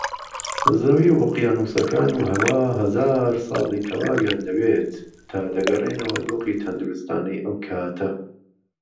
زەوی و ئۆقیانووسەکان و هەوا هەزار ساڵی تەواویان دەوێت تا دەگەڕێنەوە دۆخی تەندروستانەی ئەوکاتە